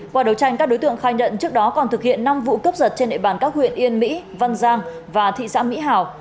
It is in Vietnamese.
qua đấu tranh các đối tượng khai nhận trước đó còn thực hiện năm vụ cướp giật trên địa bàn các huyện yên mỹ văn giang và thị xã mỹ hảo